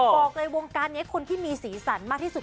บอกเลยวงการนี้คนที่มีสีสันมากที่สุด